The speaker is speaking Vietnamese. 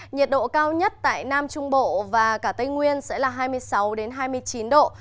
nhiệt độ cao nhất tại nam trung bộ và cả tây nguyên sẽ là hai mươi sáu hai mươi chín độ